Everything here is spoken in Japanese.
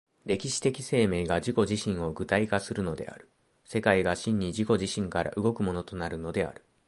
歴史的生命が自己自身を具体化するのである、世界が真に自己自身から動くものとなるのである。